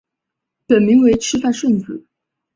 本名为赤坂顺子。